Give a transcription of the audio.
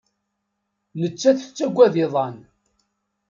Nettat tettaggad iḍan.